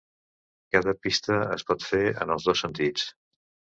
Cada pista es pot fer en els dos sentits.